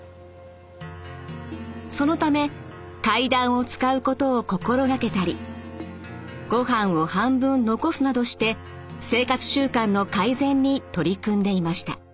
そのため階段を使うことを心がけたりご飯を半分残すなどして生活習慣の改善に取り組んでいました。